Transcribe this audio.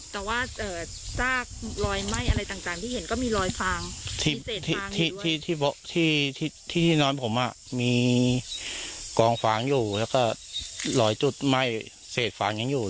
แต่ว่าจากลอยไหม้อะไรต่างที่เห็นก็มีลอยฟางมีเศษฟางอยู่ด้วย